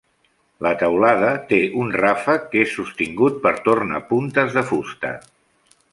La teulada té un ràfec que és sostingut per tornapuntes de fusta.